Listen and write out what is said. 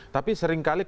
tapi sering kali